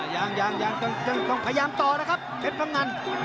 ยังยังยังต้องพยายามต่อนะครับเพชรพะงัน